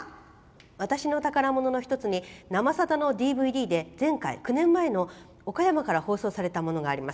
私の宝物の１つに「生さだ」のＤＶＤで前回９年前の岡山から放送されたものがあります。